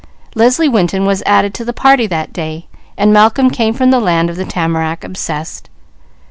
Leslie Winton was added to the party that day. Malcolm came from the land of the tamarack obsessed.